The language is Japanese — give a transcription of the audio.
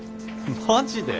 マジで？